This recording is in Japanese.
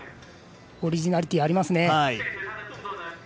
オリジナリティーあります。